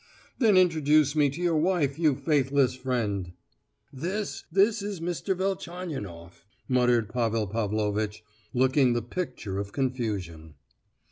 "Then introduce me to your wife, you faithless friend!" "This—this is Mr. Velchaninoff!" muttered Pavel Pavlovitch, looking the picture of confusion.